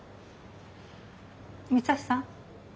三橋さん？